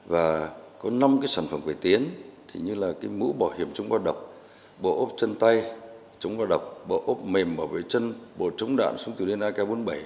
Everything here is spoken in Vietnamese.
và có năm sản phẩm cải tiến như mũ bảo hiểm chống va đập bộ ốp chân tay chống va đập bộ ốp mềm bảo vệ chân bộ chống đạn súng tiểu liên ak bốn mươi bảy